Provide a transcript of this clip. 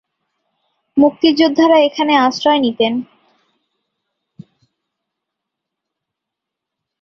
মুক্তিযোদ্ধারা এখানে আশ্রয় নিতেন।